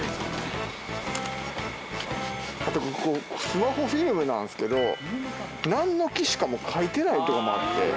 スマホフィルムなんですけどなんの機種かも書いてないとかもあって。